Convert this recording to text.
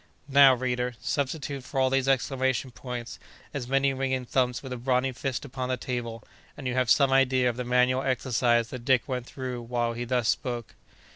Now, reader, substitute for all these exclamation points, as many ringing thumps with a brawny fist upon the table, and you have some idea of the manual exercise that Dick went through while he thus spoke.